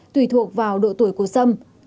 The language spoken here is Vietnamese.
tùy thuộc vào độ tuổi của sâm